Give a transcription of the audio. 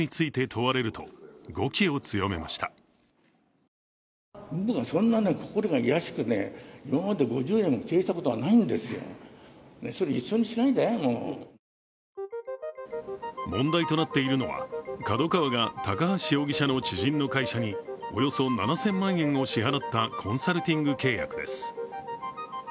問題となっているのはＫＡＤＯＫＡＷＡが高橋容疑者の知人の会社におよそ７０００万円を支払ったコンサルティング契約です。